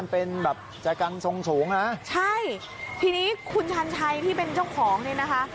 เป็นแบบใจกันทรงสูงนะใช่ทีนี้คุณชันชัยที่เป็นเจ้าของเนี่ยนะคะ